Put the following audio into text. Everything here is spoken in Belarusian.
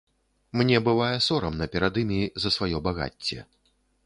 Мне бывае сорамна перад імі за сваё багацце.